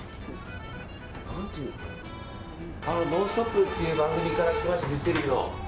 「ノンストップ！」っていう番組から来ましたフジテレビの。